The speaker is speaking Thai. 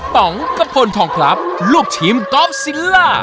ป๋องกะพลทองพลับลูกชิมกอล์ฟซิลล่า